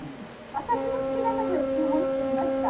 私も好きなものを注文してみました。